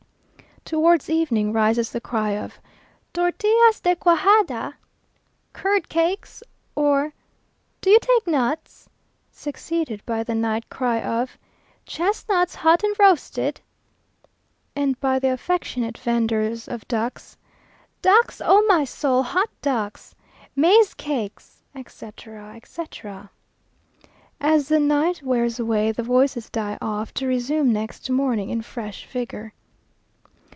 Towards evening rises the cry of "Tortillas de cuajada?" "Curd cakes?" or, "Do you take nuts?" succeeded by the night cry of "Chestnuts hot and roasted!" and by the affectionate vendors of ducks; "Ducks, oh my soul, hot ducks!" "Maize cakes," etc., etc. As the night wears away, the voices die off, to resume next morning in fresh vigour.